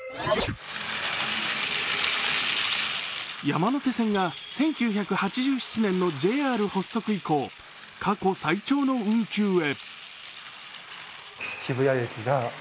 山手線が１９８７年のＪＲ発足以降過去最長の運休へ。